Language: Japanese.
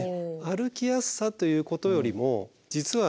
歩きやすさということよりも実はＮＧ？